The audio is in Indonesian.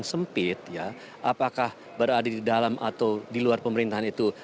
sempit ya apakah berada di dalam atau di luar pemerintahan itu